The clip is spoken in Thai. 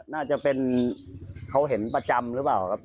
น่าจะเป็นเขาเห็นประจำหรือเปล่าครับ